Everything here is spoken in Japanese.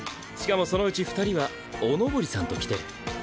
しかもそのうち２人はお上りさんときてる。